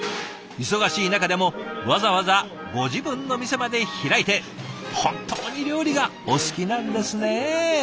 忙しい中でもわざわざご自分の店まで開いて本当に料理がお好きなんですね。